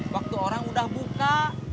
waktu orang udah buka